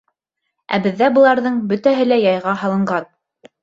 Ә беҙҙә быларҙың бөтәһе лә яйға һалынған.